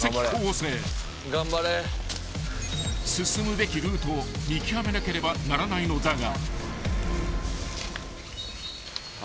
［進むべきルートを見極めなければならないのだが］